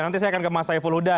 nanti saya akan ke mas saiful huda